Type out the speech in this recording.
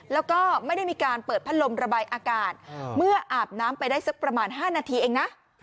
แล้วก็ไม่ได้มีการเปิดพัดลมระบายอากาศเมื่ออาบน้ำไปได้สักประมาณ๕นาทีเองนะ